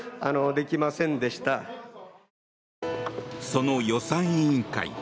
その予算委員会